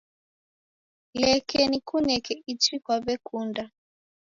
Leke nikuneke ichi kwaw'ekunda